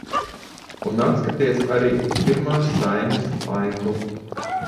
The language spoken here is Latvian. Un atskatieties arī uz Pirmās Saeimas laiku!